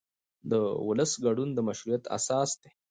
د ولس ګډون د مشروعیت اساس دی